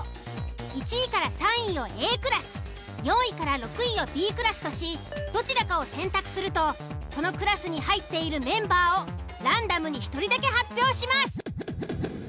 １位３位をＡクラス４位６位をＢクラスとしどちらかを選択するとそのクラスに入っているメンバーをランダムに１人だけ発表します。